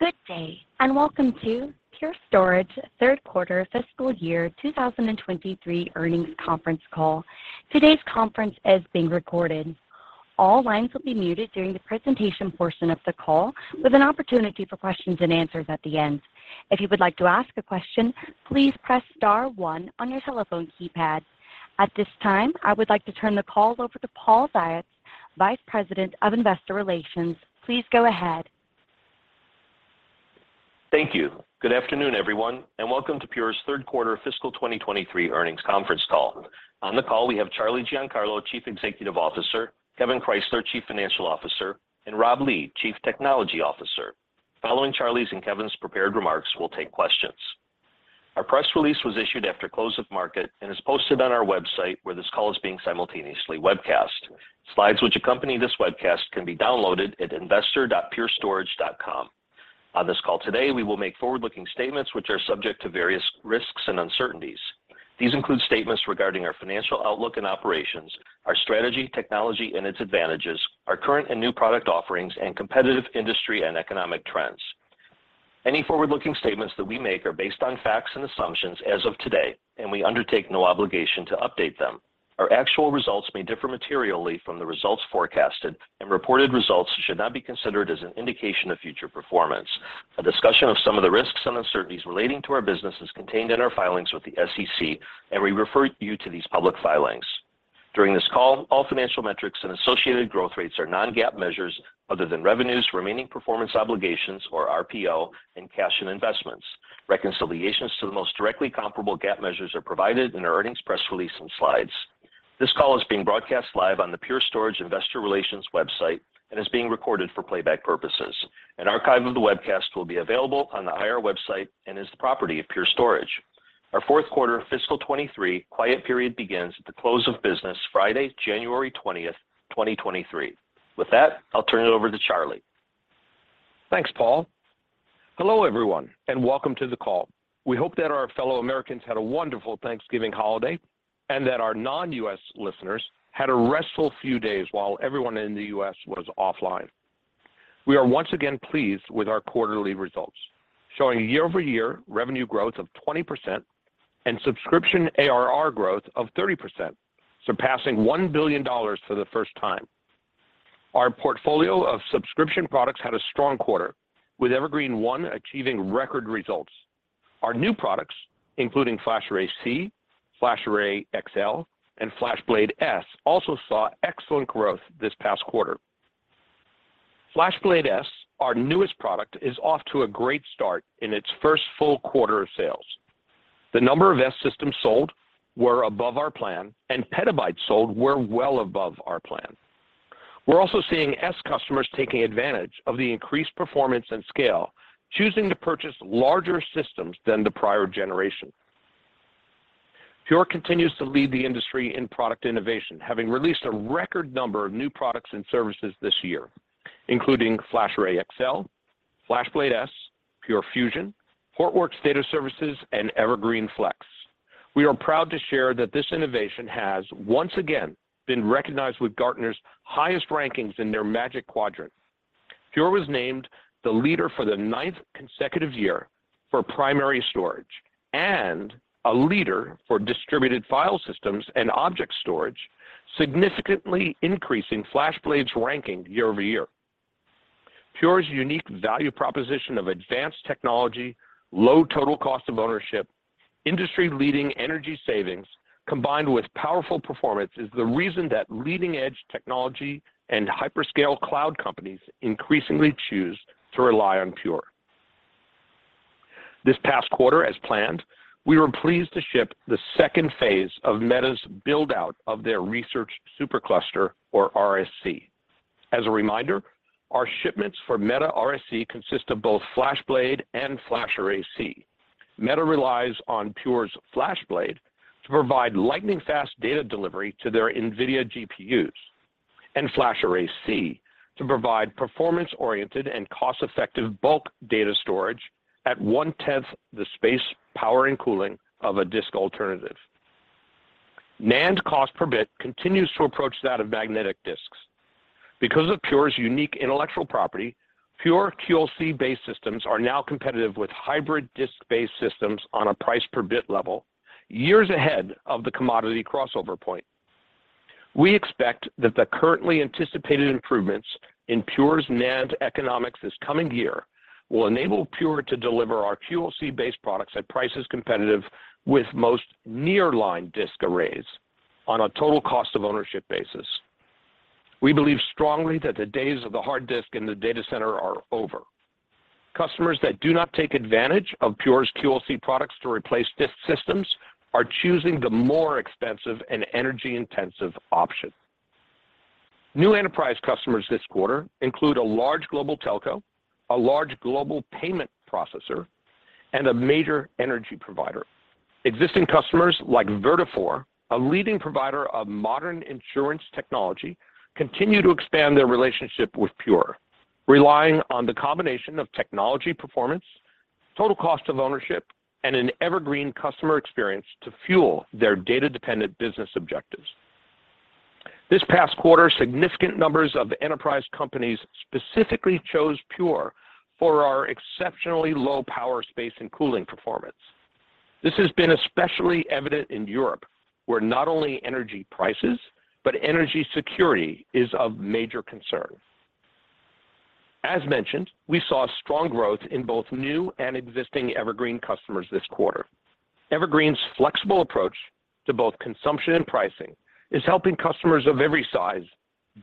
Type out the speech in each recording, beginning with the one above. Good day, and welcome to Pure Storage Third Quarter Fiscal Year 2023 earnings conference call. Today's conference is being recorded. All lines will be muted during the presentation portion of the call, with an opportunity for questions and answers at the end. If you would like to ask a question, please press star one on your telephone keypad. At this time, I would like to turn the call over to Paul Ziots, Vice President of Investor Relations. Please go ahead. Thank you. Good afternoon, everyone, and welcome to Pure's third quarter fiscal 2023 earnings conference call. On the call we have Charlie Giancarlo, Chief Executive Officer, Kevan Krysler, Chief Financial Officer, and Rob Lee, Chief Technology Officer. Following Charlie's and Kevan's prepared remarks, we'll take questions. Our press release was issued after close of market and is posted on our website, where this call is being simultaneously webcast. Slides which accompany this webcast can be downloaded at investor.purestorage.com. On this call today, we will make forward-looking statements which are subject to various risks and uncertainties. These include statements regarding our financial outlook and operations, our strategy, technology and its advantages, our current and new product offerings and competitive industry and economic trends. Any forward-looking statements that we make are based on facts and assumptions as of today. We undertake no obligation to update them. Our actual results may differ materially from the results forecasted and reported results should not be considered as an indication of future performance. A discussion of some of the risks and uncertainties relating to our business is contained in our filings with the SEC, and we refer you to these public filings. During this call, all financial metrics and associated growth rates are non-GAAP measures other than revenues, remaining performance obligations, or RPO, and cash and investments. Reconciliations to the most directly comparable GAAP measures are provided in our earnings press release and slides. This call is being broadcast live on the Pure Storage Investor Relations website and is being recorded for playback purposes. An archive of the webcast will be available on the IR website and is the property of Pure Storage. Our fourth quarter fiscal 23 quiet period begins at the close of business Friday, January 20th, 2023. With that, I'll turn it over to Charlie. Thanks, Paul. Hello, everyone, welcome to the call. We hope that our fellow Americans had a wonderful Thanksgiving holiday, that our non-U.S. listeners had a restful few days while everyone in the U.S. was offline. We are once again pleased with our quarterly results, showing year-over-year revenue growth of 20% and subscription ARR growth of 30%, surpassing $1 billion for the first time. Our portfolio of subscription products had a strong quarter, with Evergreen//One achieving record results. Our new products, including FlashArray//C, FlashArray//XL, and FlashBlade//S, also saw excellent growth this past quarter. FlashBlade//S, our newest product, is off to a great start in its first full quarter of sales. The number of S systems sold were above our plan and petabytes sold were well above our plan. We're also seeing S customers taking advantage of the increased performance and scale, choosing to purchase larger systems than the prior generation. Pure continues to lead the industry in product innovation, having released a record number of new products and services this year, including FlashArray//XL, FlashBlade//S, Pure Fusion, Portworx Data Services, and Evergreen//Flex. We are proud to share that this innovation has once again been recognized with Gartner's highest rankings in their Magic Quadrant. Pure was named the leader for the ninth consecutive year for primary storage and a leader for distributed file systems and object storage, significantly increasing FlashBlade's ranking year-over-year. Pure's unique value proposition of advanced technology, low total cost of ownership, industry-leading energy savings, combined with powerful performance is the reason that leading-edge technology and hyperscale cloud companies increasingly choose to rely on Pure. This past quarter, as planned, we were pleased to ship the second phase of Meta's build-out of their Research SuperCluster, or RSC. As a reminder, our shipments for Meta RSC consist of both FlashBlade and FlashArray//C. Meta relies on Pure's FlashBlade to provide lightning-fast data delivery to their NVIDIA GPUs and FlashArray//C to provide performance-oriented and cost-effective bulk data storage at 1/10 the space, power, and cooling of a disk alternative. NAND cost per bit continues to approach that of magnetic disks. Because of Pure's unique intellectual property, Pure QLC-based systems are now competitive with hybrid disk-based systems on a price per bit level, years ahead of the commodity crossover point. We expect that the currently anticipated improvements in Pure's NAND economics this coming year will enable Pure to deliver our QLC-based products at prices competitive with most nearline disk arrays on a total cost of ownership basis. We believe strongly that the days of the hard disk in the data center are over. Customers that do not take advantage of Pure's QLC products to replace disk systems are choosing the more expensive and energy-intensive option. New enterprise customers this quarter include a large global telco, a large global payment processor, and a major energy provider. Existing customers like Vertafore, a leading provider of modern insurance technology, continue to expand their relationship with Pure, relying on the combination of technology performance, total cost of ownership, and an Evergreen customer experience to fuel their data-dependent business objectives. This past quarter, significant numbers of the enterprise companies specifically chose Pure for our exceptionally low power, space, and cooling performance. This has been especially evident in Europe, where not only energy prices but energy security is of major concern. As mentioned, we saw strong growth in both new and existing Evergreen customers this quarter. Evergreen's flexible approach to both consumption and pricing is helping customers of every size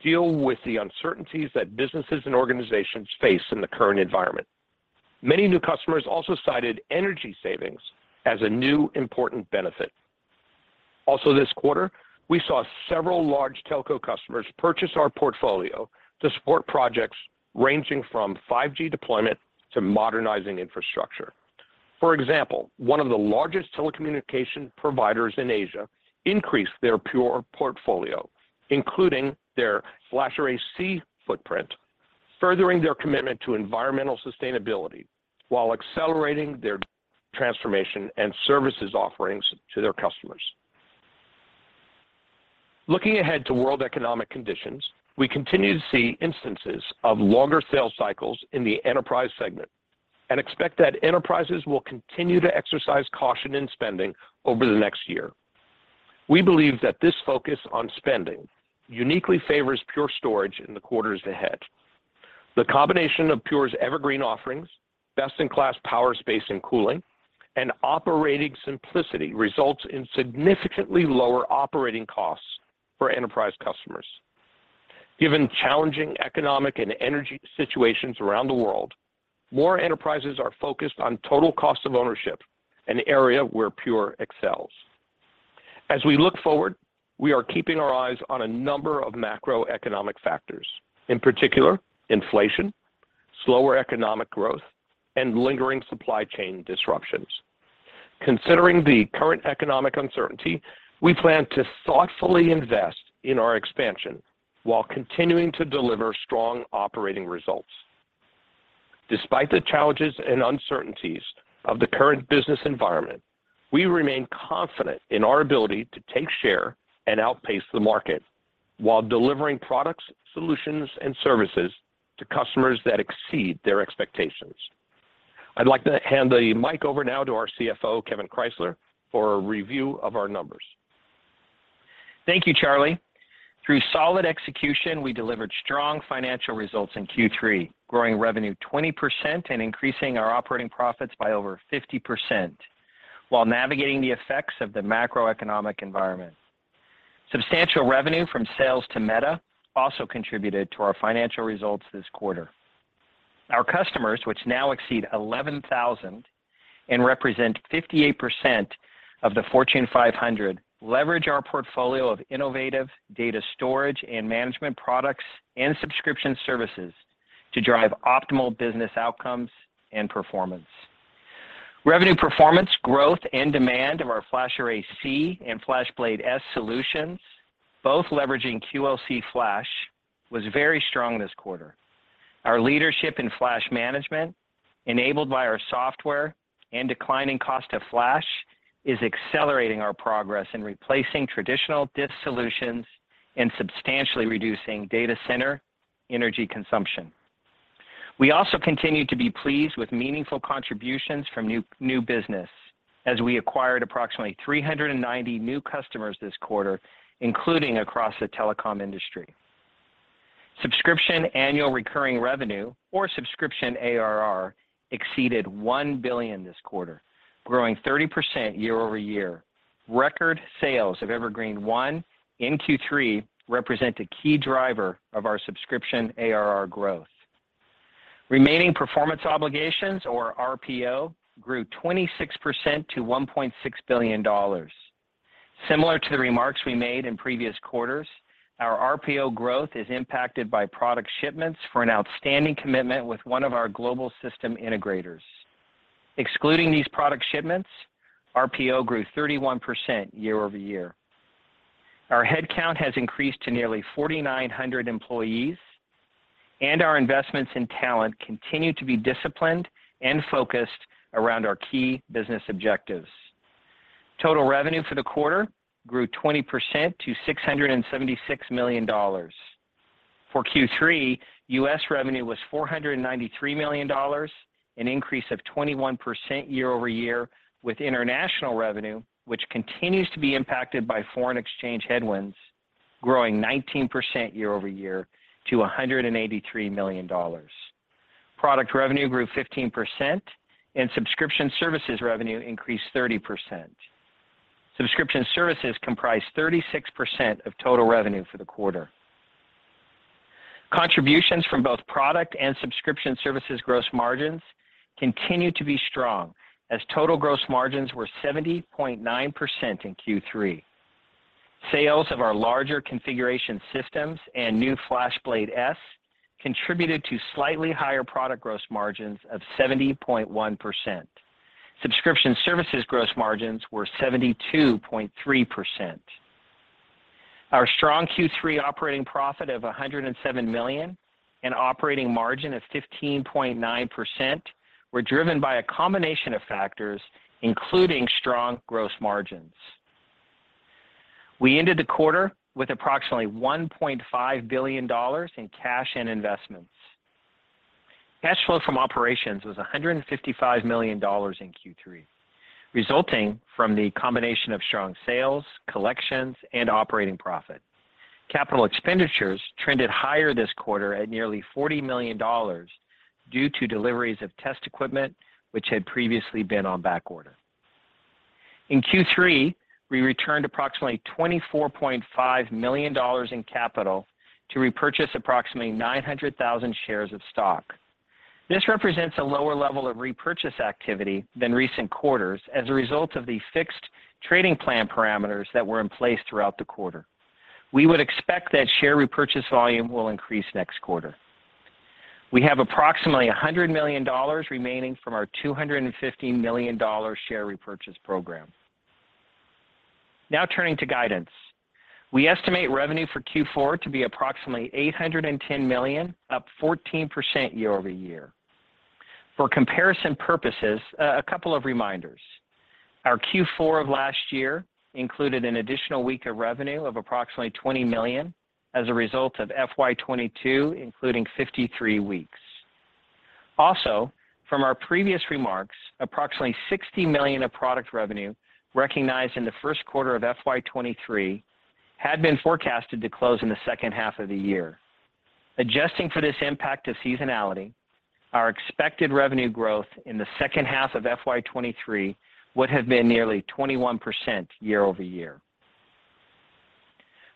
deal with the uncertainties that businesses and organizations face in the current environment. Many new customers also cited energy savings as a new important benefit. This quarter, we saw several large telco customers purchase our portfolio to support projects ranging from 5G deployment to modernizing infrastructure. For example, one of the largest telecommunication providers in Asia increased their Pure portfolio, including their FlashArray//C footprint, furthering their commitment to environmental sustainability while accelerating their transformation and services offerings to their customers. Looking ahead to world economic conditions, we continue to see instances of longer sales cycles in the enterprise segment and expect that enterprises will continue to exercise caution in spending over the next year. We believe that this focus on spending uniquely favors Pure Storage in the quarters ahead. The combination of Pure's Evergreen offerings, best-in-class power, space, and cooling, and operating simplicity results in significantly lower operating costs for enterprise customers. Given challenging economic and energy situations around the world, more enterprises are focused on total cost of ownership, an area where Pure excels. As we look forward, we are keeping our eyes on a number of macroeconomic factors, in particular inflation, slower economic growth, and lingering supply chain disruptions. Considering the current economic uncertainty, we plan to thoughtfully invest in our expansion while continuing to deliver strong operating results. Despite the challenges and uncertainties of the current business environment, we remain confident in our ability to take share and outpace the market while delivering products, solutions, and services to customers that exceed their expectations. I'd like to hand the mic over now to our CFO, Kevan Krysler, for a review of our numbers. Thank you, Charlie. Through solid execution, we delivered strong financial results in Q3, growing revenue 20% and increasing our operating profits by over 50% while navigating the effects of the macroeconomic environment. Substantial revenue from sales to Meta also contributed to our financial results this quarter. Our customers, which now exceed 11,000 and represent 58% of the Fortune 500, leverage our portfolio of innovative data storage and management products and subscription services to drive optimal business outcomes and performance. Revenue performance growth and demand of our FlashArray//C and FlashBlade//S solutions, both leveraging QLC Flash, was very strong this quarter. Our leadership in flash management, enabled by our software and declining cost of flash, is accelerating our progress in replacing traditional disk solutions and substantially reducing data center energy consumption. We also continue to be pleased with meaningful contributions from new business as we acquired approximately 390 new customers this quarter, including across the telecom industry. Subscription annual recurring revenue or subscription ARR exceeded $1 billion this quarter, growing 30% year-over-year. Record sales of Evergreen//One in Q3 represent a key driver of our subscription ARR growth. Remaining performance obligations or RPO grew 26% to $1.6 billion. Similar to the remarks we made in previous quarters, our RPO growth is impacted by product shipments for an outstanding commitment with one of our global system integrators. Excluding these product shipments, RPO grew 31% year-over-year. Our headcount has increased to nearly 4,900 employees. Our investments in talent continue to be disciplined and focused around our key business objectives. Total revenue for the quarter grew 20% to $676 million. For Q3, U.S. revenue was $493 million, an increase of 21% year-over-year, with international revenue, which continues to be impacted by foreign exchange headwinds, growing 19% year-over-year to $183 million. Product revenue grew 15%, and subscription services revenue increased 30%. Subscription services comprised 36% of total revenue for the quarter. Contributions from both product and subscription services gross margins continue to be strong as total gross margins were 70.9% in Q3. Sales of our larger configuration systems and new FlashBlade//S contributed to slightly higher product gross margins of 70.1%. Subscription services gross margins were 72.3%. Our strong Q3 operating profit of $107 million. An operating margin of 15.9% were driven by a combination of factors, including strong gross margins. We ended the quarter with approximately $1.5 billion in cash and investments. Cash flow from operations was $155 million in Q3, resulting from the combination of strong sales, collections, and operating profit. Capital expenditures trended higher this quarter at nearly $40 million due to deliveries of test equipment which had previously been on backorder. In Q3, we returned approximately $24.5 million in capital to repurchase approximately 900,000 shares of stock. This represents a lower level of repurchase activity than recent quarters as a result of the fixed trading plan parameters that were in place throughout the quarter. We would expect that share repurchase volume will increase next quarter. We have approximately $100 million remaining from our $250 million share repurchase program. Turning to guidance. We estimate revenue for Q4 to be approximately $810 million, up 14% year-over-year. For comparison purposes, a couple of reminders. Our Q4 of last year included an additional week of revenue of approximately $20 million as a result of FY 2022, including 53 weeks. From our previous remarks, approximately $60 million of product revenue recognized in the first quarter of FY 2023 had been forecasted to close in the second half of the year. Adjusting for this impact of seasonality, our expected revenue growth in the second half of FY 2023 would have been nearly 21% year-over-year.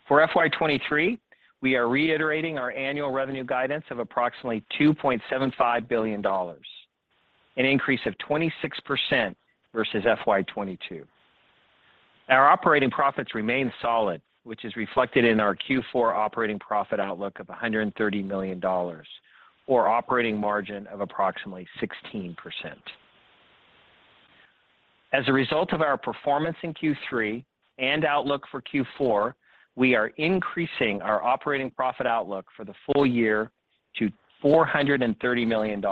For FY 2023, we are reiterating our annual revenue guidance of approximately $2.75 billion, an increase of 26% versus FY 2022. Our operating profits remain solid, which is reflected in our Q4 operating profit outlook of $130 million or operating margin of approximately 16%. As a result of our performance in Q3 and outlook for Q4, we are increasing our operating profit outlook for the full year to $430 million.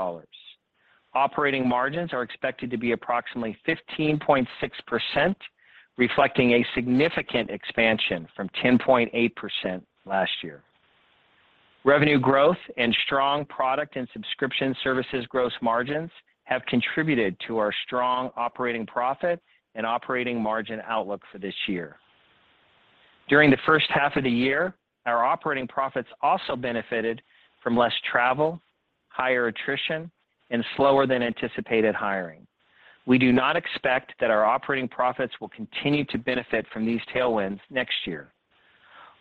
Operating margins are expected to be approximately 15.6%, reflecting a significant expansion from 10.8% last year. Revenue growth and strong product and subscription services gross margins have contributed to our strong operating profit and operating margin outlook for this year. During the first half of the year, our operating profits also benefited from less travel, higher attrition, and slower than anticipated hiring. We do not expect that our operating profits will continue to benefit from these tailwinds next year.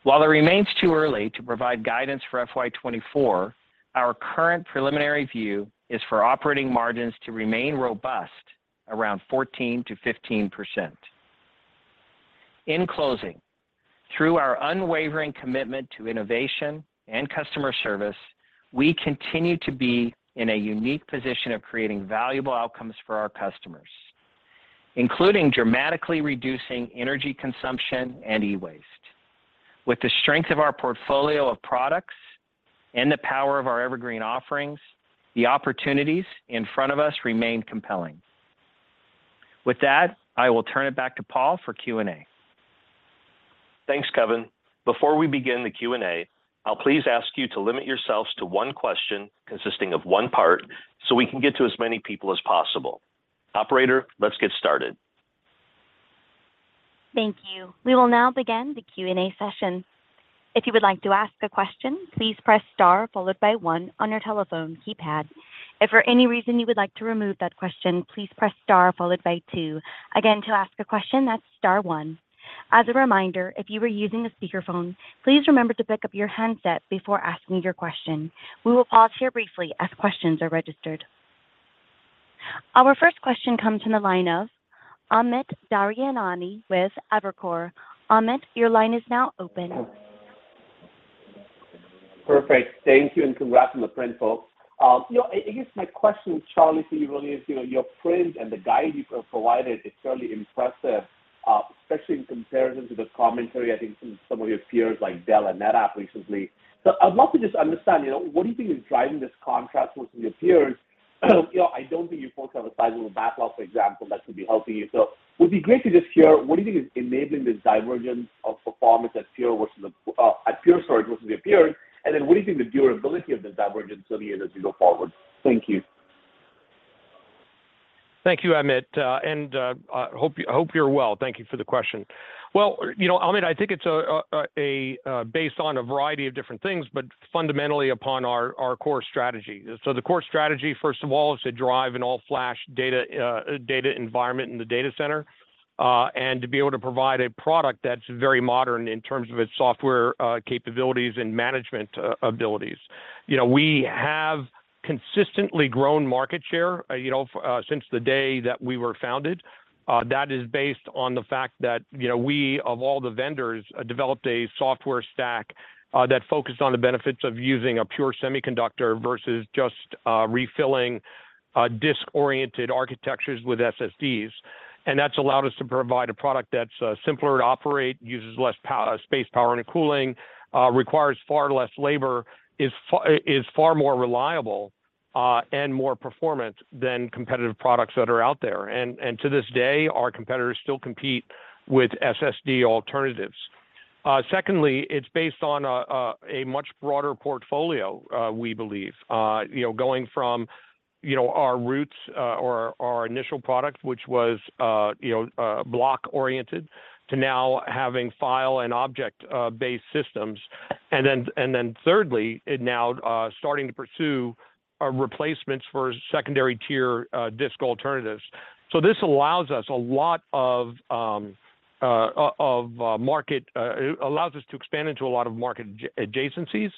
While it remains too early to provide guidance for FY 2024, our current preliminary view is for operating margins to remain robust around 14%-15%. In closing, through our unwavering commitment to innovation and customer service, we continue to be in a unique position of creating valuable outcomes for our customers, including dramatically reducing energy consumption and e-waste. With the strength of our portfolio of products and the power of our Evergreen offerings, the opportunities in front of us remain compelling. With that, I will turn it back to Paul for Q&A. Thanks, Kevan. Before we begin the Q&A, I'll please ask you to limit yourselves to one question consisting of one part, so we can get to as many people as possible. Operator, let's get started. Thank you. We will now begin the Q&A session. If you would like to ask a question, please press star followed by one on your telephone keypad. If for any reason you would like to remove that question, please press star followed by two. Again, to ask a question, that's star one. As a reminder, if you are using a speakerphone, please remember to pick up your handset before asking your question. We will pause here briefly as questions are registered. Our first question comes from the line of Amit Daryanani with Evercore. Amit, your line is now open. Perfect. Thank you. Congrats on the print, folks. You know, I guess my question, Charlie, to you really is, you know, your print and the guide you provided, it's fairly impressive, especially in comparison to the commentary, I think from some of your peers like Dell and NetApp recently. I'd love to just understand, you know, what do you think is driving this contrast versus your peers? You know, I don't think you folks have a sizable backlog, for example, that could be helping you. It would be great to just hear what do you think is enabling this divergence of performance at Pure, sorry, versus the peers. What do you think the durability of this divergence will be as you go forward? Thank you. Thank you, Amit, and I hope you're well. Thank you for the question. Well, you know, Amit, I think it's a based on a variety of different things, but fundamentally upon our core strategy. The core strategy, first of all, is to drive an all-flash data environment in the data center, and to be able to provide a product that's very modern in terms of its software, capabilities and management abilities. You know, we have consistently grown market share, you know, since the day that we were founded. That is based on the fact that, you know, we, of all the vendors, developed a software stack that focused on the benefits of using a flash storage versus just refilling disk-oriented architectures with SSDs. And that's allowed us to provide a product that's simpler to operate, uses less space, power, and cooling, requires far less labor, is far more reliable, and more performant than competitive products that are out there. To this day, our competitors still compete with SSD alternatives. Secondly, it's based on a much broader portfolio, we believe, you know, going from, you know, our roots, or our initial product, which was, you know, block oriented to now having file and object based systems. Thirdly, it now starting to pursue replacements for secondary tier disk alternatives. This allows us a lot of allows us to expand into a lot of market adjacencies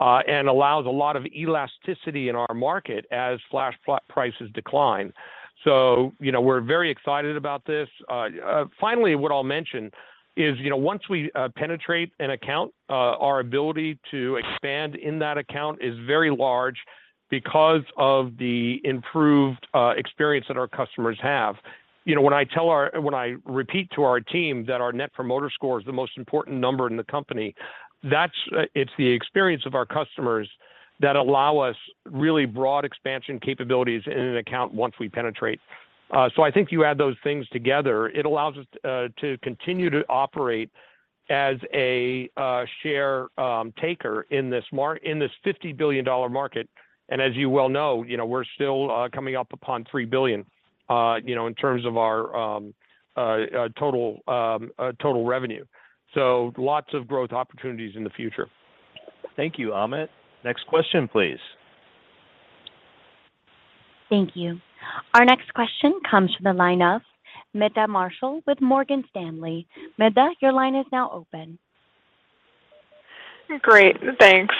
and allows a lot of elasticity in our market as flash prices decline. You know, we're very excited about this. Finally, what I'll mention is, you know, once we penetrate an account, our ability to expand in that account is very large because of the improved experience that our customers have. You know, when I repeat to our team that our Net Promoter Score is the most important number in the company, that's it's the experience of our customers that allow us really broad expansion capabilities in an account once we penetrate. I think you add those things together, it allows us to continue to operate as a share taker in this $50 billion market. As you well know, you know, we're still coming up upon $3 billion, you know, in terms of our total revenue. Lots of growth opportunities in the future. Thank you, Amit. Next question, please. Thank you. Our next question comes from the line of Meta Marshall with Morgan Stanley. Meta, your line is now open. Great. Thanks.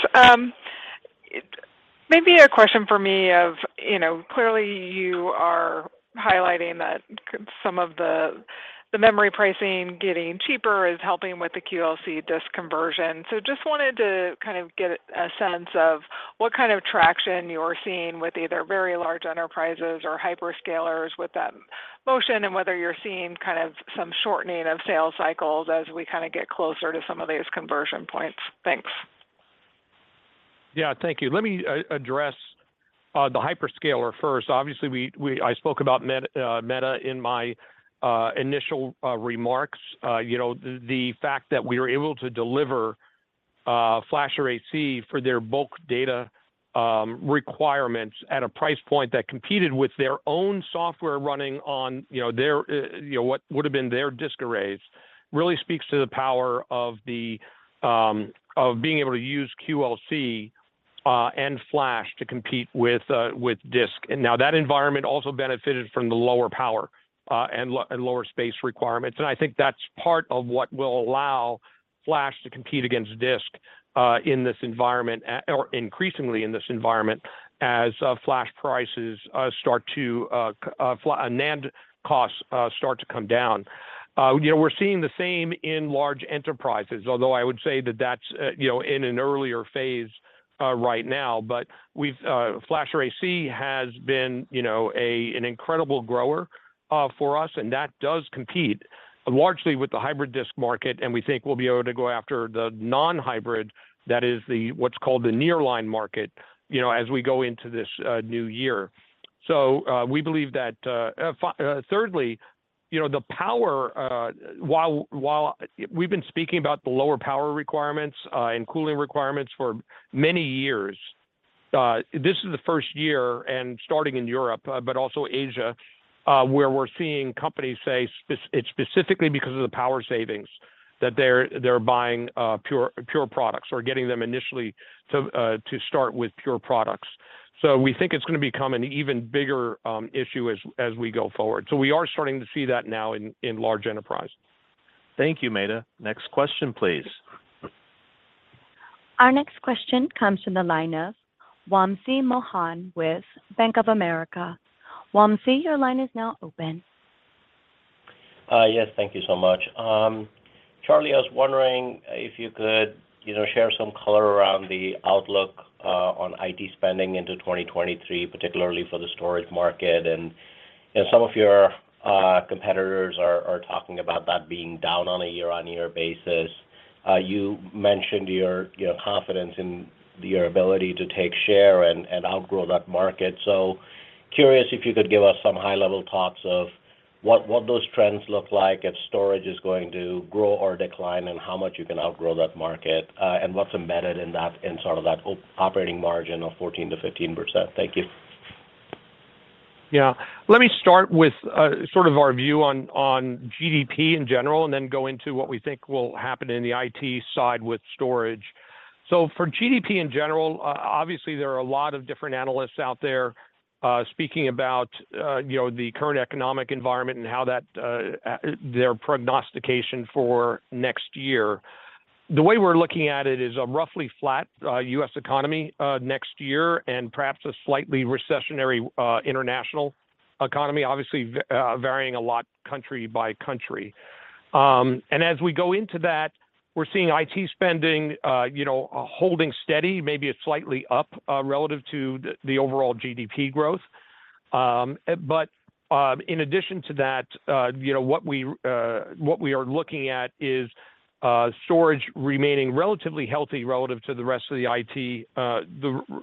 it may be a question for me of, you know, clearly you are highlighting that some of the memory pricing getting cheaper is helping with the QLC this conversion. Just wanted to kind of get a sense of what kind of traction you're seeing with either very large enterprises or hyperscalers with that motion and whether you're seeing kind of some shortening of sales cycles as we kind of get closer to some of these conversion points. Thanks. Yeah. Thank you. Let me address the hyperscaler first. Obviously, I spoke about Meta in my initial remarks. You know, the fact that we are able to deliver FlashArray//C for their bulk data requirements at a price point that competed with their own software running on, you know, their, you know, what would have been their disk arrays really speaks to the power of being able to use QLC and Flash to compete with disk. Now that environment also benefited from the lower power and lower space requirements. I think that's part of what will allow Flash to compete against disk in this environment, or increasingly in this environment as NAND costs start to come down. You know, we're seeing the same in large enterprises, although I would say that that's, you know, in an earlier phase right now. FlashArray//C has been, you know, an incredible grower for us, and that does compete largely with the hybrid disk market, and we think we'll be able to go after the non-hybrid that is the, what's called the nearline market, you know, as we go into this new year. We believe that, thirdly, you know, the power, while we've been speaking about the lower power requirements, and cooling requirements for many years, this is the first year and starting in Europe, but also Asia, where we're seeing companies say it's specifically because of the power savings that they're buying, Pure products or getting them initially to start with Pure products. We think it's going to become an even bigger issue as we go forward. We are starting to see that now in large enterprise. Thank you, Meta. Next question, please. Our next question comes from the line of Wamsi Mohan with Bank of America. Wamsi, your line is now open. Yes. Thank you so much. Charlie, I was wondering if you could, you know, share some color around the outlook on IT spending into 2023, particularly for the storage market. You know, some of your competitors are talking about that being down on a year-on-year basis. You mentioned your confidence in your ability to take share and outgrow that market. Curious if you could give us some high-level thoughts of what those trends look like if storage is going to grow or decline and how much you can outgrow that market and what's embedded in that, in sort of that whole operating margin of 14%-15%. Thank you. Yeah. Let me start with sort of our view on GDP in general and then go into what we think will happen in the IT side with storage. For GDP in general, obviously there are a lot of different analysts out there speaking about, you know, the current economic environment and how that their prognostication for next year. The way we're looking at it is a roughly flat U.S. economy next year and perhaps a slightly recessionary international economy, obviously varying a lot country by country. As we go into that, we're seeing IT spending, you know, holding steady, maybe it's slightly up relative to the overall GDP growth. In addition to that, you know, what we are looking at is storage remaining relatively healthy relative to the rest of the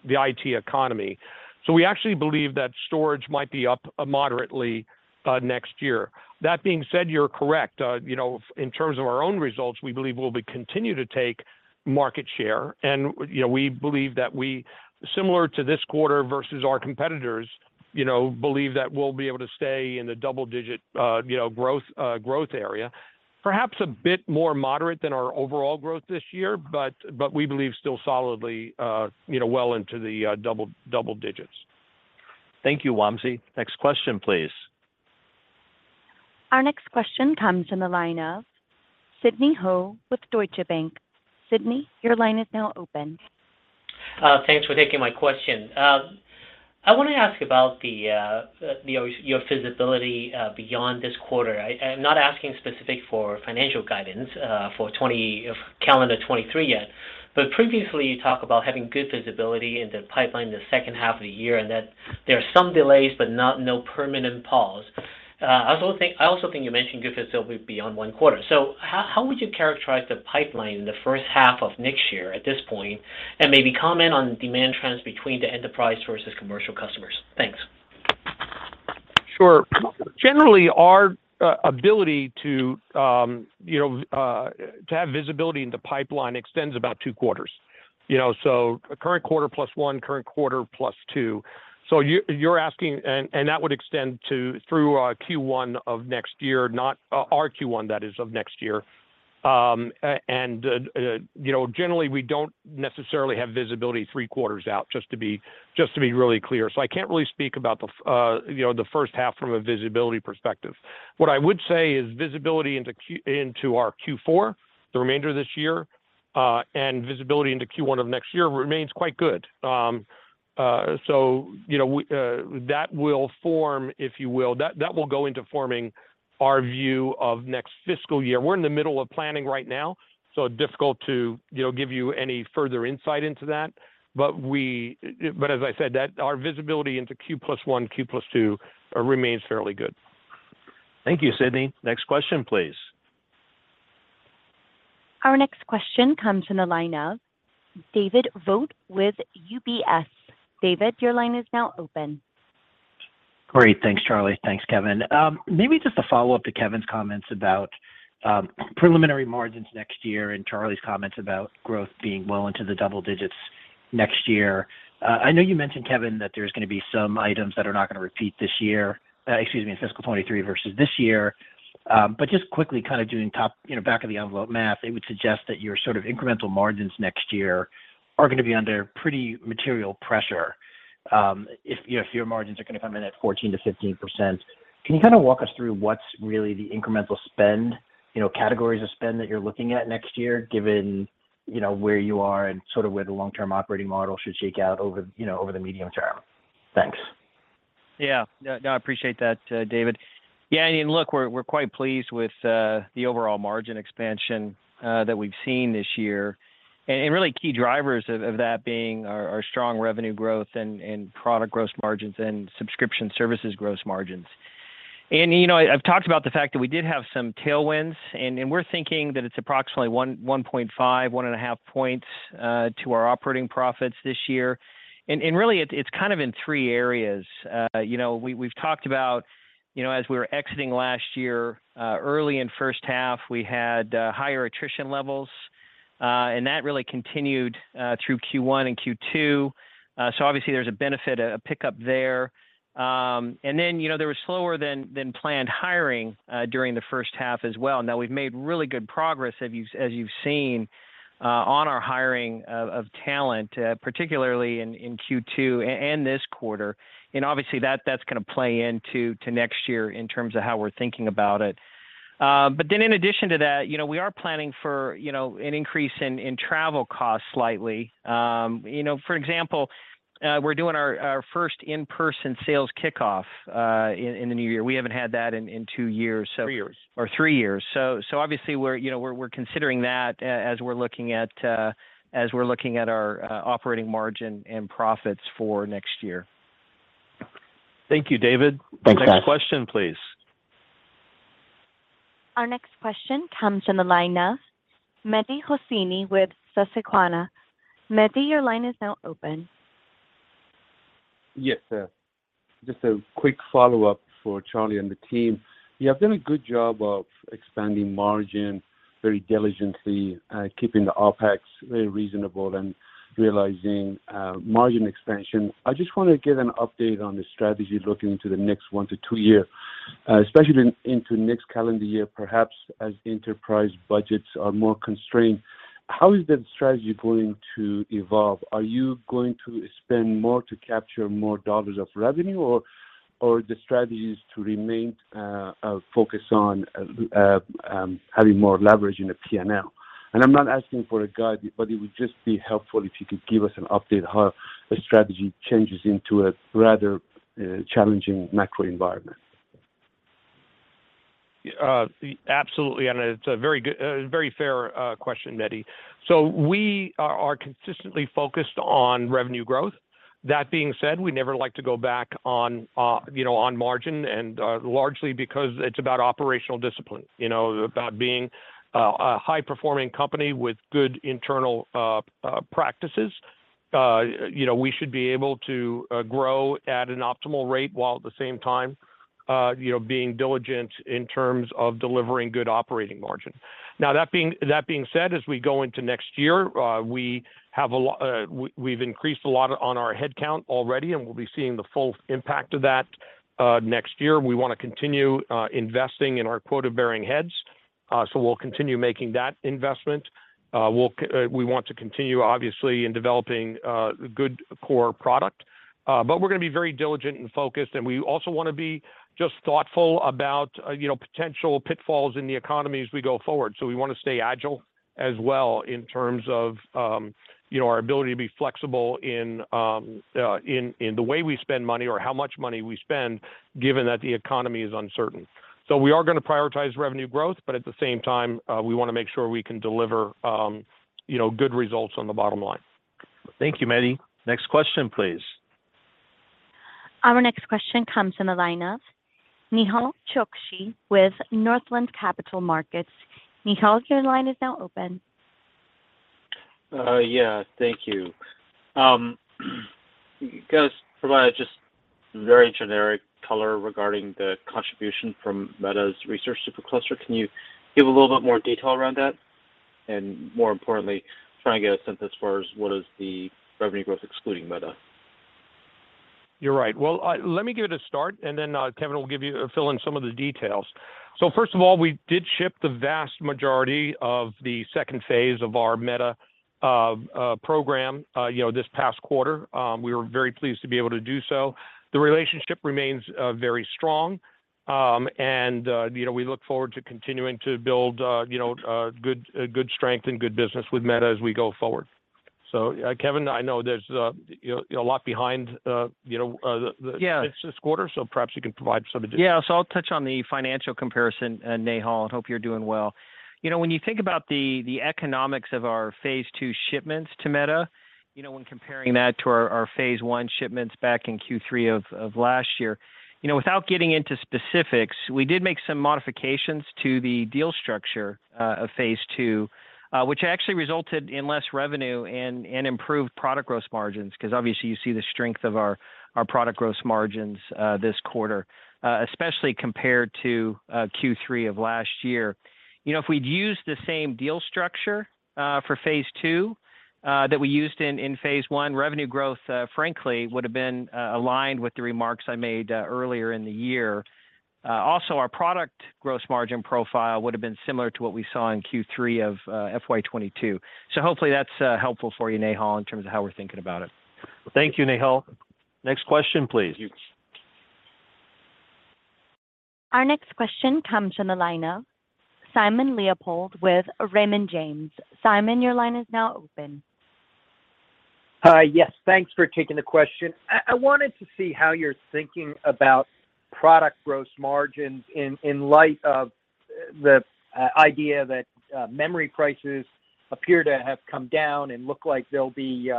IT economy. We actually believe that storage might be up moderately next year. That being said, you're correct. You know, in terms of our own results, we believe we'll be continue to take market share. You know, we believe that similar to this quarter versus our competitors, you know, believe that we'll be able to stay in the double-digit growth area. Perhaps a bit more moderate than our overall growth this year, but we believe still solidly, you know, well into the double-digits. Thank you, Wamsi. Next question, please. Our next question comes in the line of Sidney Ho with Deutsche Bank. Sidney, your line is now open. Thanks for taking my question. I wanna ask about your visibility beyond this quarter. I'm not asking specific for financial guidance for calendar 2023 yet. Previously, you talk about having good visibility in the pipeline the second half of the year, and that there are some delays, but not no permanent pause. I also think you mentioned good visibility beyond one quarter. How would you characterize the pipeline in the first half of next year at this point, and maybe comment on demand trends between the enterprise versus commercial customers? Thanks. Sure. Generally, our ability to, you know, to have visibility in the pipeline extends about two quarters. You know, current quarter +1, current quarter +2. You're asking. That would extend to through Q1 of next year, not our Q1, that is, of next year. You know, generally, we don't necessarily have visibility three quarters out, just to be really clear. I can't really speak about the, you know, the first half from a visibility perspective. What I would say is visibility into our Q4, the remainder of this year, and visibility into Q1 of next year remains quite good. You know, we, that will form, if you will, that will go into forming our view of next fiscal year. We're in the middle of planning right now, so difficult to, you know, give you any further insight into that. As I said, that our visibility into Q +1, Q +2, remains fairly good. Thank you, Sidney. Next question, please. Our next question comes from the line of David Vogt with UBS. David, your line is now open. Great. Thanks, Charlie. Thanks, Kevan. Maybe just a follow-up to Kevan's comments about preliminary margins next year and Charlie's comments about growth being well into the double digits next year. I know you mentioned, Kevan, that there's gonna be some items that are not gonna repeat this year. Excuse me, in fiscal 2023 versus this year. But just quickly kind of doing top, you know, back of the envelope math, it would suggest that your sort of incremental margins next year are gonna be under pretty material pressure, if, you know, if your margins are gonna come in at 14%-15%. Can you kinda walk us through what's really the incremental spend, you know, categories of spend that you're looking at next year, given, you know, where you are and sort of where the long-term operating model should shake out over, you know, over the medium term? Thanks. Yeah. No, no, I appreciate that, David. Yeah, I mean, look, we're quite pleased with the overall margin expansion that we've seen this year. Really key drivers of that being our strong revenue growth and product gross margins and subscription services gross margins. You know, I've talked about the fact that we did have some tailwinds, and we're thinking that it's approximately 1.5 points to our operating profits this year. Really it's kind of in three areas. You know, we've talked about, you know, as we were exiting last year, early in first half, we had higher attrition levels, and that really continued through Q1 and Q2. Obviously there's a benefit, a pickup there. Then, you know, there was slower than planned hiring during the first half as well. Now, we've made really good progress, as you've seen, on our hiring of talent, particularly in Q2 and this quarter. Obviously that's gonna play into next year in terms of how we're thinking about it. Then in addition to that, you know, we are planning for, you know, an increase in travel costs slightly. You know, for example, we're doing our first in-person sales kickoff in the new year. We haven't had that in two years. Three years. Three years. So obviously we're, you know, we're considering that as we're looking at our operating margin and profits for next year. Thank you, David. Thanks, guys. Next question, please. Our next question comes from the line of Mehdi Hosseini with Susquehanna. Mehdi, your line is now open. Yes, just a quick follow-up for Charlie and the team. You have done a good job of expanding margin very diligently, keeping the OpEx very reasonable and realizing margin expansion. I just wanna get an update on the strategy looking into the next one to two year, especially into next calendar year, perhaps as enterprise budgets are more constrained. How is the strategy going to evolve? Are you going to spend more to capture more dollars of revenue, or the strategy is to remain focused on having more leverage in the P&L? I'm not asking for a guide, but it would just be helpful if you could give us an update how the strategy changes into a rather challenging macro environment. Absolutely, it's a very good, a very fair, question, Mehdi. We are consistently focused on revenue growth. That being said, we never like to go back on, you know, on margin and, largely because it's about operational discipline, you know, about being a high-performing company with good internal, practices. You know, we should be able to, grow at an optimal rate while at the same time, you know, being diligent in terms of delivering good operating margin. That being said, as we go into next year, We've increased a lot on our head count already, and we'll be seeing the full impact of that, next year. We wanna continue, investing in our quota-bearing heads, so we'll continue making that investment. We want to continue, obviously, in developing a good core product. We're gonna be very diligent and focused, and we also wanna be just thoughtful about, you know, potential pitfalls in the economy as we go forward. We wanna stay agile as well in terms of, you know, our ability to be flexible in the way we spend money or how much money we spend, given that the economy is uncertain. We are gonna prioritize revenue growth, but at the same time, we wanna make sure we can deliver, you know, good results on the bottom line. Thank you, Mehdi. Next question, please. Our next question comes from the line of Nehal Chokshi with Northland Capital Markets. Nehal, your line is now open. Yeah, thank you. You guys provided just very generic color regarding the contribution from Meta's Research SuperCluster. Can you give a little bit more detail around that? More importantly, trying to get a sense as far as what is the revenue growth excluding Meta? You're right. Well, let me give it a start, and then Kevan will give you or fill in some of the details. First of all, we did ship the vast majority of the second phase of our Meta program, you know, this past quarter. We were very pleased to be able to do so. The relationship remains very strong, and, you know, we look forward to continuing to build, you know, good strength and good business with Meta as we go forward. Kevan, I know there's, you know, you know, a lot behind, you know, the— Yeah. — this quarter, so perhaps you can provide some. I'll touch on the financial comparison, Nehal, and hope you're doing well. You know, when you think about the economics of our phase II shipments to Meta, you know, when comparing that to our phase I shipments back in Q3 of last year, you know, without getting into specifics, we did make some modifications to the deal structure of phase II, which actually resulted in less revenue and improved product gross margins, 'cause obviously you see the strength of our product gross margins this quarter, especially compared to Q3 of last year. You know, if we'd used the same deal structure for phase II that we used in phase I, revenue growth, frankly, would've been aligned with the remarks I made earlier in the year. Also, our product gross margin profile would've been similar to what we saw in Q3 of FY 2022. Hopefully that's helpful for you, Nehal, in terms of how we're thinking about it. Thank you, Nehal. Next question, please. Thank you. Our next question comes from the line of Simon Leopold with Raymond James. Simon, your line is now open. Yes, thanks for taking the question. I wanted to see how you're thinking about product gross margins in light of the idea that memory prices appear to have come down and look like they'll be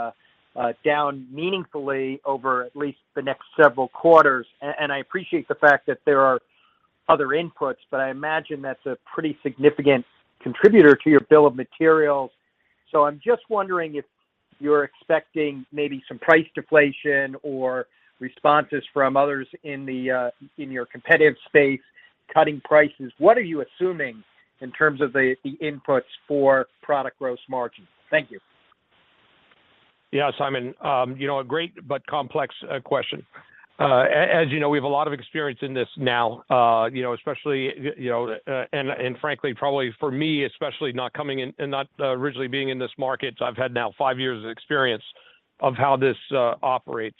down meaningfully over at least the next several quarters. I appreciate the fact that there are other inputs, but I imagine that's a pretty significant contributor to your bill of materials. I'm just wondering if you're expecting maybe some price deflation or responses from others in your competitive space cutting prices. What are you assuming in terms of the inputs for product gross margin? Thank you. Yeah, Simon. You know, a great but complex question. As you know, we have a lot of experience in this now, you know, especially, you know, and frankly, probably for me, especially not coming in, and not originally being in this market, I've had now five years of experience of how this operates.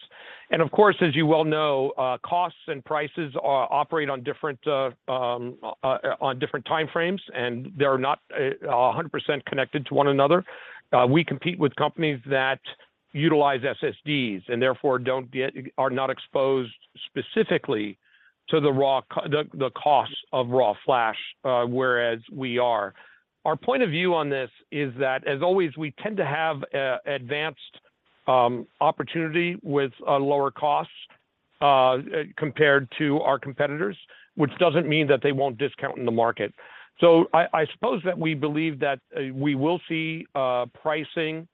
Of course, as you well know, costs and prices operate on different time frames, and they are not 100% connected to one another. We compete with companies that utilize SSDs and therefore are not exposed specifically to the cost of raw flash, whereas we are. Our point of view on this is that, as always, we tend to have an advanced opportunity with lower costs compared to our competitors, which doesn't mean that they won't discount in the market. I suppose that we believe that we will see pricing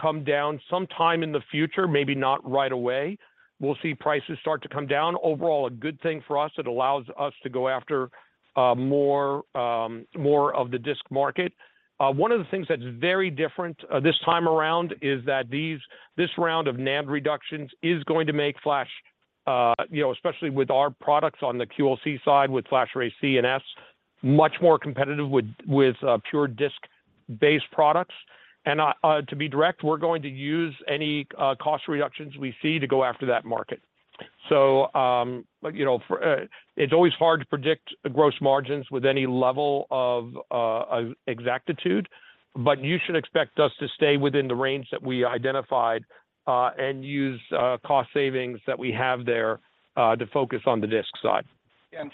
come down sometime in the future, maybe not right away. We'll see prices start to come down. Overall, a good thing for us. It allows us to go after more, more of the disk market. One of the things that's very different this time around is that this round of NAND reductions is going to make flash, you know, especially with our products on the QLC side with FlashArray//C and S, much more competitive with pure disk-based products. To be direct, we're going to use any cost reductions we see to go after that market. Like, you know, for it's always hard to predict gross margins with any level of exactitude, but you should expect us to stay within the range that we identified, and use cost savings that we have there, to focus on the disk side.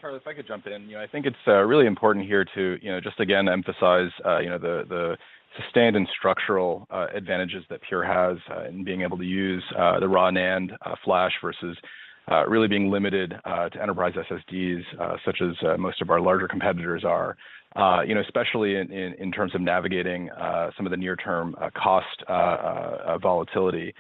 Charlie, if I could jump in. You know, I think it's really important here to, you know, just again emphasize, you know, the sustained and structural advantages that Pure has in being able to use the raw NAND flash versus really being limited to enterprise SSDs, such as most of our larger competitors are. You know, especially in terms of navigating some of the near term cost volatility.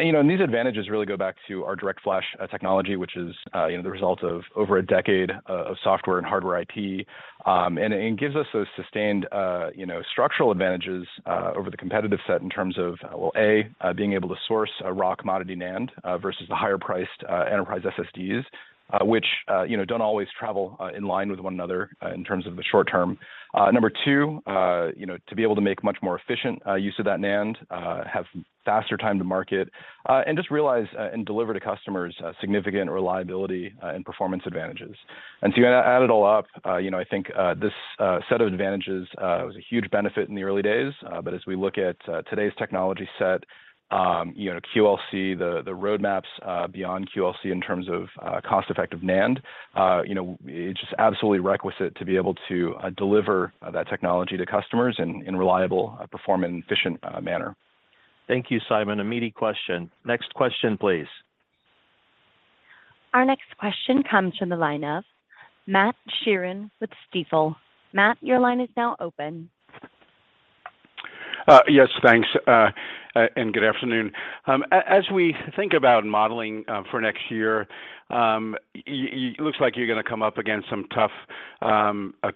You know, these advantages really go back to our DirectFlash technology, which is, you know, the result of over a decade of software and hardware IT. And it gives us those sustained, you know, structural advantages over the competitive set in terms of, well, A, being able to source a raw commodity NAND versus the higher priced enterprise SSDs, which, you know, don't always travel in line with one another in terms of the short term. Number two, you know, to be able to make much more efficient use of that NAND, have faster time to market, and just realize and deliver to customers significant reliability and performance advantages. You add it all up, you know, I think this set of advantages was a huge benefit in the early days. As we look at today's technology set, you know, QLC, the roadmaps beyond QLC in terms of cost-effective NAND, you know, it's just absolutely requisite to be able to deliver that technology to customers in reliable perform and efficient manner. Thank you, Simon. Immediate question. Next question, please. Our next question comes from the line of Matt Sheerin with Stifel. Matt, your line is now open. Yes, thanks, and good afternoon. As we think about modeling for next year, it looks like you're going to come up against some tough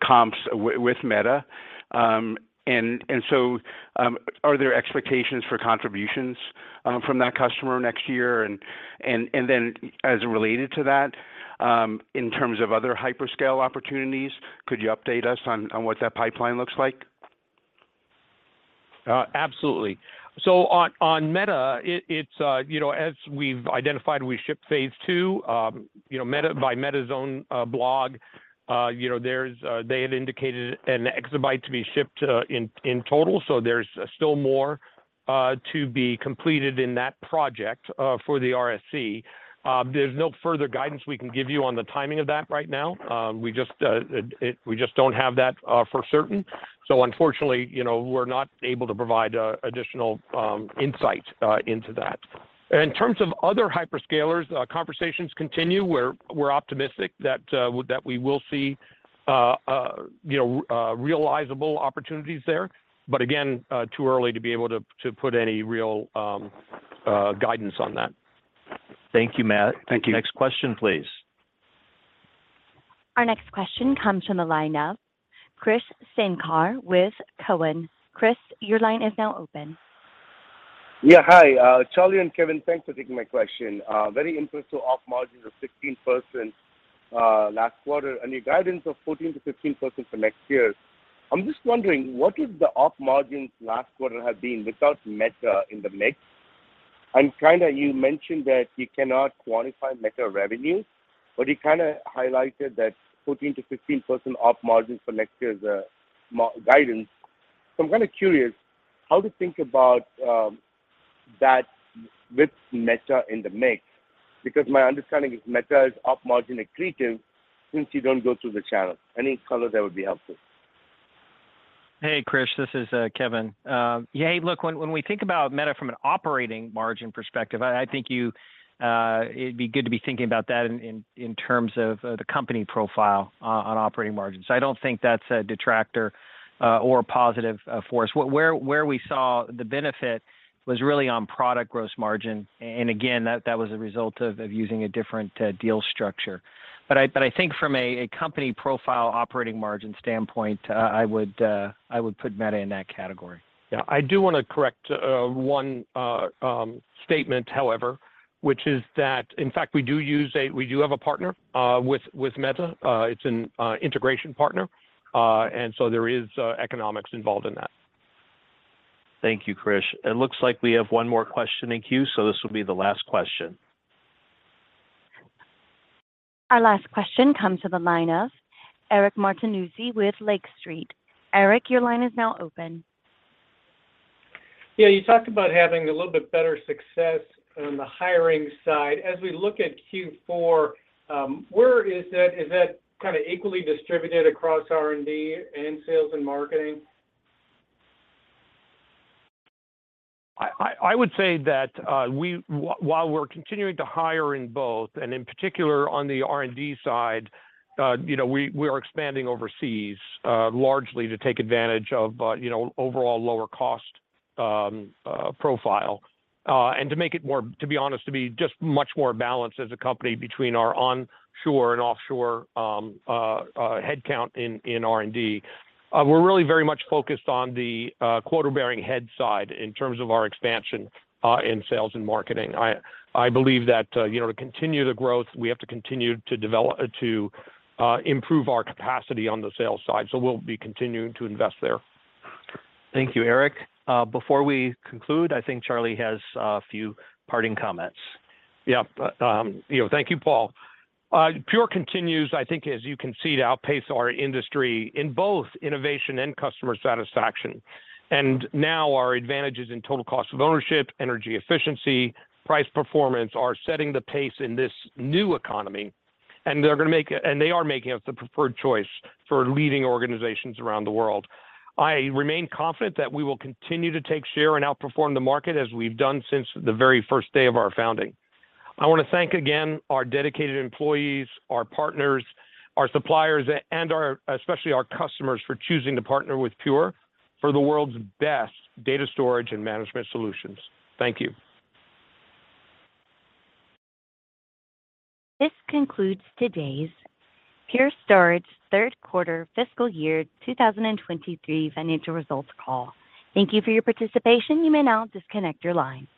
comps with Meta. So, are there expectations for contributions from that customer next year? Then as related to that, in terms of other hyperscale opportunities, could you update us on what that pipeline looks like? Absolutely. On, on Meta, it's, you know, as we've identified, we shipped phase II. You know, Meta by Meta's own blog, you know, there's they had indicated an exabyte to be shipped in total, so there's still more to be completed in that project for the RSC. There's no further guidance we can give you on the timing of that right now. We just, we just don't have that for certain. Unfortunately, you know, we're not able to provide additional insight into that. In terms of other hyperscalers, conversations continue. We're optimistic that we will see, you know, realizable opportunities there. Again, too early to be able to put any real guidance on that. Thank you, Matt. Thank you. Next question, please. Our next question comes from the line of Krish Sankar with Cowen. Krish, your line is now open. Yeah. Hi, Charlie and Kevan, thanks for taking my question. Very interested op margins of 16%, last quarter, and your guidance of 14%-15% for next year. I'm just wondering, what is the op margins last quarter have been without Meta in the mix? Kind of you mentioned that you cannot quantify Meta revenue, but you kinda highlighted that 14%-15% op margin for next year's margin guidance. I'm kind of curious how to think about that with Meta in the mix, because my understanding is Meta's op margin accretive since you don't go through the channel. Any color there would be helpful. Hey, Krish, this is Kevan. Yeah, look, when we think about Meta from an operating margin perspective, I think you it'd be good to be thinking about that in terms of the company profile on operating margins. I don't think that's a detractor or a positive for us. Where we saw the benefit was really on product gross margin. And again, that was a result of using a different deal structure. I think from a company profile operating margin standpoint, I would put Meta in that category. Yeah. I do want to correct one statement, however, which is that in fact we do have a partner with Meta. It's an integration partner. There is economics involved in that. Thank you, Krish. It looks like we have one more question in queue. This will be the last question. Our last question comes from the line of Eric Martinuzzi with Lake Street. Eric, your line is now open. You talked about having a little bit better success on the hiring side. As we look at Q4, where is that? Is that kind of equally distributed across R&D and sales and marketing? I would say that, while we're continuing to hire in both, and in particular on the R&D side, you know, we are expanding overseas, largely to take advantage of, you know, overall lower cost profile, and to make it more, to be honest, to be just much more balanced as a company between our onshore and offshore headcount in R&D. We're really very much focused on the quota-bearing head side in terms of our expansion in sales and marketing. I believe that, you know, to continue the growth, we have to continue to develop to improve our capacity on the sales side. We'll be continuing to invest there. Thank you, Eric. Before we conclude, I think Charlie has a few parting comments. Yeah. You know, thank you, Paul. Pure continues, I think, as you can see, to outpace our industry in both innovation and customer satisfaction. Now our advantages in total cost of ownership, energy efficiency, price performance, are setting the pace in this new economy, and they are making us the preferred choice for leading organizations around the world. I remain confident that we will continue to take share and outperform the market as we've done since the very first day of our founding. I want to thank again our dedicated employees, our partners, our suppliers, and our, especially our customers, for choosing to partner with Pure for the world's best data storage and management solutions. Thank you. This concludes today's Pure Storage third quarter fiscal year 2023 financial results call. Thank you for your participation. You may now disconnect your line.